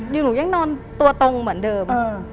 หนูยังนอนตัวตรงเหมือนเดิม